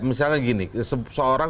misalnya begini seorang